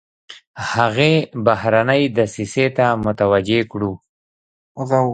هغې بهرنۍ دسیسې ته متوجه کړو.